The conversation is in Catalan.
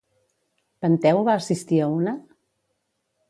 Penteu va assistir a una?